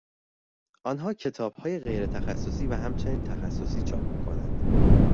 آنها کتابهای غیرتخصصی و همچنین تخصصی چاپ میکنند.